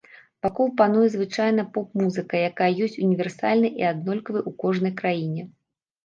Вакол пануе звычайная поп-музыка, якая ёсць універсальнай і аднолькавай у кожнай краіне.